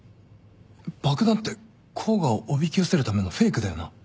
爆弾って甲賀をおびき寄せるためのフェイクだよな？